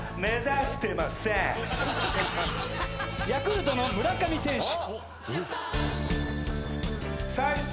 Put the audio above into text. ヤクルトの村上選手。